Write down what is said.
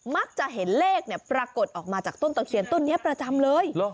มักจะเห็นเลขปรากฏออกมาจากต้นตะเคียนต้นนี้ประจำเลย